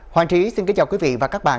hoàng trí xin kính chào quý vị và các bạn